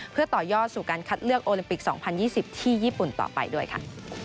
เพื่อต่อยอดสู่การคัดเลือกโอลิมปิก๒๐๒๐ที่ญี่ปุ่นต่อไปด้วยค่ะ